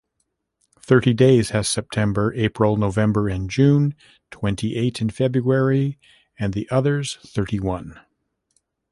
Thirty days has September, April, November and June, twenty-eight in February, and the others thirty-one.